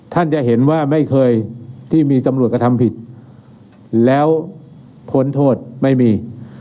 ท่านจะเห็นว่าไม่เคยที่มีตำรวจกระทำผิดแล้วพ้นโทษไม่มี